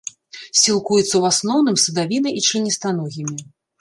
Сілкуецца ў асноўным садавінай і членістаногімі.